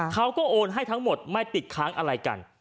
โอนให้ทั้งหมดไม่ติดค้างอะไรกัน